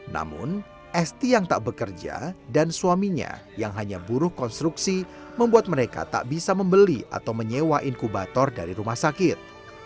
namun esti yang tak bekerja dan suaminya yang hanya buruh konstruksi membuat mereka tak bisa membeli atau menyewa inkubator dari rumah sakit